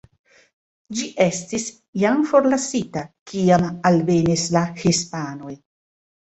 Ĝi estis jam forlasita, kiam alvenis la hispanoj.